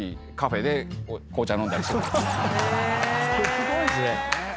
すごいっすね。